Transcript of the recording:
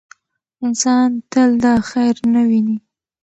انسان تل دا خیر نه ویني.